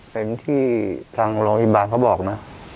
เป็นที่ทางโรงพยาบาลเขาบอกนะ